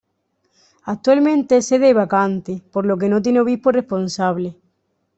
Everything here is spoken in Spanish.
Actualmente es sede vacante, por lo que no tiene obispo responsable.